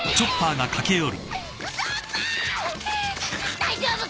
大丈夫か！